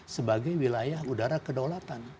sebagai wilayah udara kedaulatan